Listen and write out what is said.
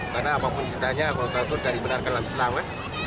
karena apapun ceritanya koruptor itu tidak dibenarkan dalam islam kan